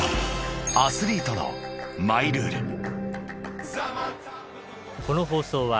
［『アスリートのマイルール』］